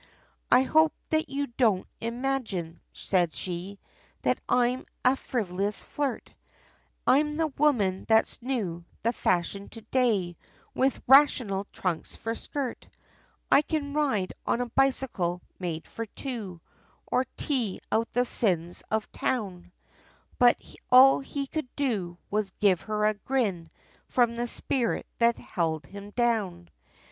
"I hope, that you don't imagine," said she, "That I am a frivolous flirt, I'm the woman, that's new, the fashion to day, With rational trunks, for skirt, I can ride, on a bicycle, made for two, Or 'tec out the sins of town," But all he could do, was give her a grin, From the spirit that held him down!